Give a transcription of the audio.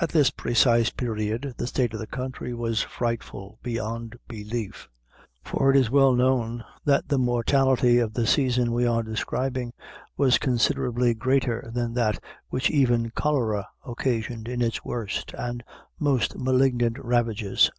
At this precise period, the state of the country was frightful beyond belief; for it is well known that the mortality of the season we are describing was considerably greater than that which even cholera occasioned in its worst and most malignant ravages.